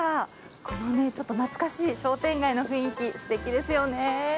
このちょっと、懐かしい商店街の雰囲気、すてきですよね。